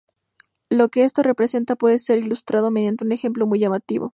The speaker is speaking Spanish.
Lo que esto representa puede ser ilustrado mediante un ejemplo muy llamativo.